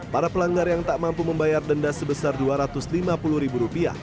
para pelanggar yang tak mampu membayar denda sebesar dua ratus lima puluh ribu rupiah